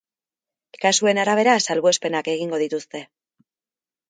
Kasuen arabera, salbuespenak egingo dituzte.